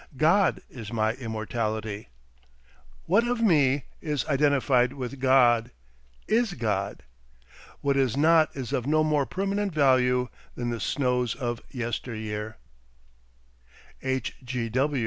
God is my immortality; what, of me, is identified with God, is God; what is not is of no more permanent value than the snows of yester year. H.